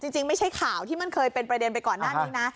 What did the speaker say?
จริงไม่ใช่ข่าวที่มันเคยเป็นประเด็นไปก่อนหน้านี้นะ